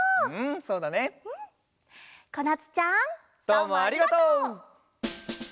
どうもありがとう！